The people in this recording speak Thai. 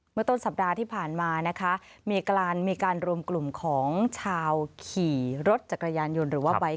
เมื่อต้นสัปดาห์ที่ผ่านมานะคะมีการรวมกลุ่มของชาวขี่รถจักรยานยนต์หรือว่าใบ